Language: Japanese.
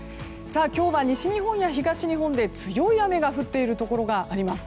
今日は西日本や東日本で強い雨が降っているところがあります。